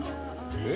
えっ？